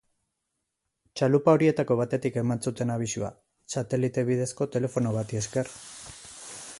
Txalupa horietako batetik eman zuten abisua, satelite bidezko telefono bati esker.